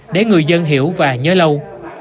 để người dân hiểu và nhớ lâu